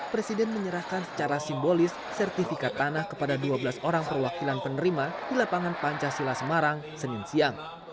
presiden menyerahkan secara simbolis sertifikat tanah kepada dua belas orang perwakilan penerima di lapangan pancasila semarang senin siang